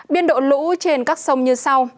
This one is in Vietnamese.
biên độ lũ trên các sông như sau